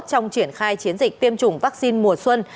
trong triển khai chiến dịch tiêm chủng vaccine mùa xuân